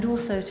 để liên hệ